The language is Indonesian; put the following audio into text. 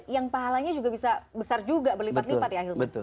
yang pahalanya juga bisa besar juga berlipat lipat ya hilman